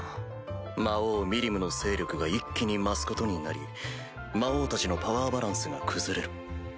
魔王ミリムの勢力が一気に増すことになり魔王たちのパワーバランスが崩れる。